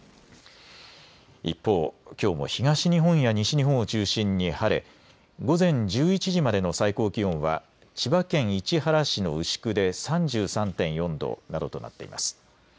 一方、きょうも東日本や西日本を中心に晴れ、午前１１時までの最高気温は千葉県市原市の牛久で３３．４度などとなっています。